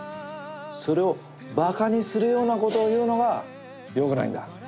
それをバカにするようなことを言うのがよくないんだ。